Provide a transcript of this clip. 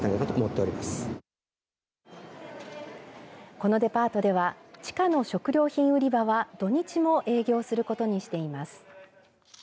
このデパートでは地下の食料品売り場は土日も営業することにしています。